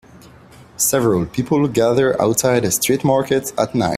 Several people gather outside a street market at night.